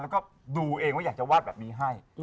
แล้วก็ดูเองว่าอยากจะวาดแบบนี้ให้